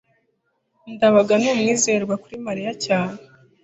ndabaga ni umwizerwa kuri mariya cyane